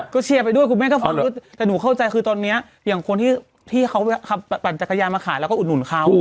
ก็เชียร์ไปด้วยคุณแม่ก็พอรู้แต่หนูเข้าใจคือตอนนี้อย่างคนที่เขาปั่นจักรยานมาขายแล้วก็อุดหนุนเขา